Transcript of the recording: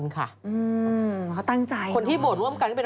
คนที่โบสถ์ร่วมกันเป็น